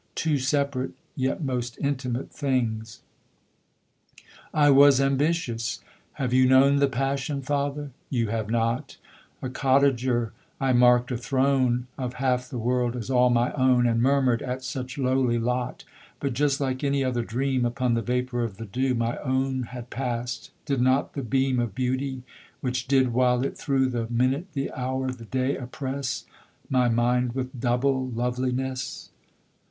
Two separate yet most intimate things. I was ambitious have you known The passion, father? You have not: A cottager, I mark'd a throne Of half the world as all my own, And murmur'd at such lowly lot But, just like any other dream, Upon the vapour of the dew My own had past, did not the beam Of beauty which did while it thro' The minute the hour the day oppress My mind with double loveliness.